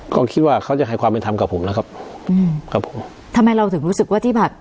ก็คิดว่าเขาจะให้ความเป็นธรรมกับผมแล้วครับอืมครับผมทำไมเราถึงรู้สึกว่าที่แบบ